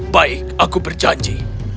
baik aku berjanji